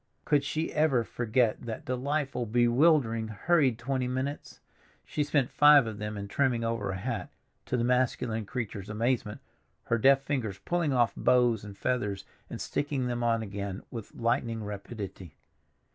Could she ever forget that delightful, bewildering, hurried twenty minutes? She spent five of them in trimming over a hat, to the masculine creature's amazement, her deft fingers pulling off bows and feathers and sticking them on again with lightning rapidity.